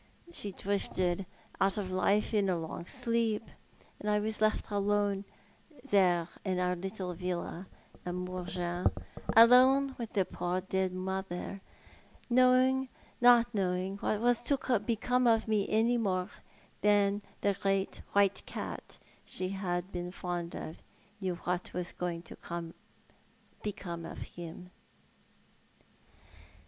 She drifted out of life in a long sleep, and I was left alone there in our little villa at Mougins, alone with the poor dead mother, and not knowing what was to bLComo of me any more than the great white cat she had been fond of knew what was to become of him."